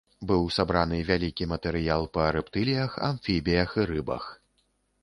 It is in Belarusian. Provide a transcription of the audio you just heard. Быў сабраны вялікі матэрыял па рэптыліях, амфібіях і рыбах.